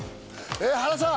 原さん。